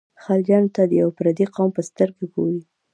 خلجیانو ته د یوه پردي قوم په سترګه ګوري.